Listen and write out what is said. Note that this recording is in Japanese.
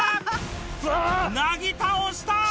なぎ倒した。